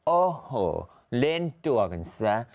โอ้โหเล่นตัวกันซะ